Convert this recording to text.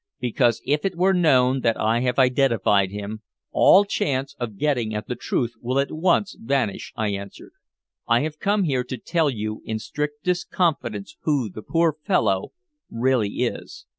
"Because if it were known that I have identified him, all chance of getting at the truth will at once vanish," I answered. "I have come here to tell you in strictest confidence who the poor fellow really is."